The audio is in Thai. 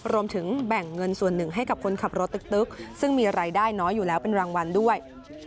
รวมถึงแบ่งเงินส่วนหนึ่งให้กับคนขับรถตึ๊กซึ่งมีรายได้น้อยอยู่แล้วเป็นรางวัลด้วย